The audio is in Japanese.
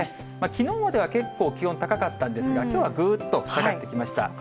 きのうまでは結構、気温高かったんですが、きょうはぐっと下がってきました。